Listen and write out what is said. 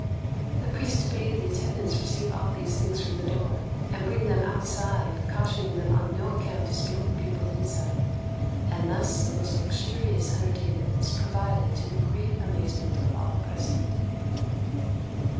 The priest bade the attendants receive all these things from the door, and bring them outside, cautioning them on no account to speak with the people inside; and thus a most luxurious entertainment was provided to the great amazement of all present.